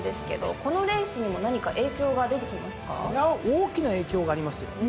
大きな影響がありますよ。